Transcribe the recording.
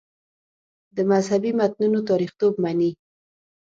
د مذهبي متنونو تاریخیتوب مني.